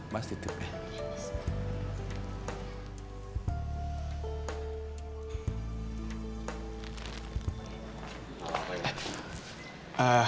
mas tidur ya